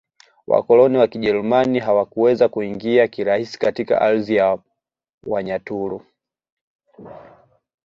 Wakoloni wa Kijerumani hawakuweza kuingia kirahisi katika ardhi ya Wanyaturu